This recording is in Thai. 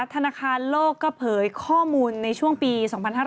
ธนาคารโลกก็เผยข้อมูลในช่วงปี๒๕๕๙